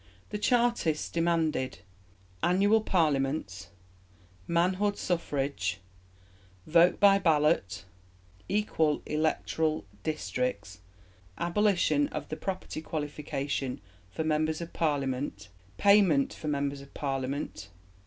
The Chartists demanded (1) Annual Parliaments; (2) Manhood Suffrage; (3) Vote by ballot; (4) Equal electoral districts; (5) Abolition of the property qualification for members of Parliament; (6) Payment for members of Parliament.